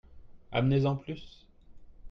Amenez-en plus.